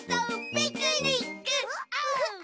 「ピクニックオー」